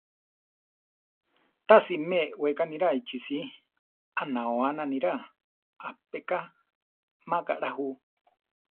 Tási me eʼweká niráa ichisí; aʼnaóana niráa, aʼpeká má kaʼlá ju.